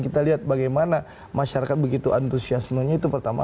kita lihat bagaimana masyarakat begitu antusiasmenya itu pertama